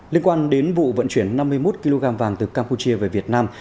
liên quan đến vụ vận chuyển năm mươi một kg vàng từ campuchia về việt nam